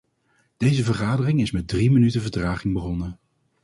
Deze vergadering is met drie minuten vertraging begonnen.